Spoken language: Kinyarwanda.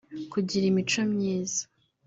kugira imico myiza